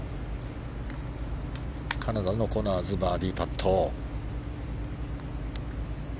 カナダのコナーズバーディーパット。